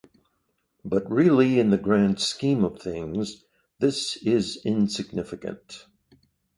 But really in the grand scheme of things this is insignficant.